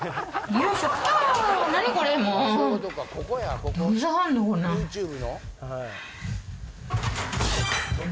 ＹｏｕＴｕｂｅの？